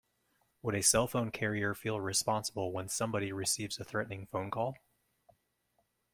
Would a cell phone carrier feel responsible when somebody receives a threatening phone call?